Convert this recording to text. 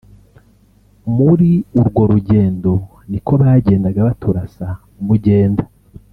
« Muri urwo rugendo niko bagendaga baturasa umugenda